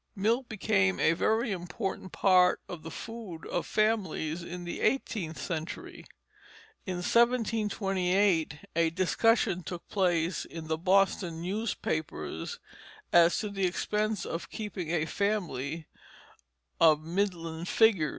Milk became a very important part of the food of families in the eighteenth century. In 1728 a discussion took place in the Boston newspapers as to the expense of keeping a family "of middling figure."